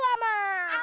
aman aman betul